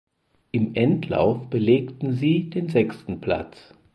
Im Endlauf belegten sie den sechsten Platz.